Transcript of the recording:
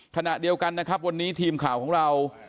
ขณะเดียวกันนะครับวันนี้ทีมข่าวของเรา